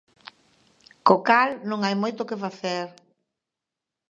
Co cal non hai moito que facer.